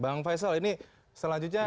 bang faisal ini selanjutnya